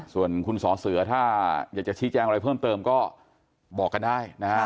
ส่วนคุณสอเสือถ้าอยากจะชี้แจงอะไรเพิ่มเติมก็บอกกันได้นะฮะ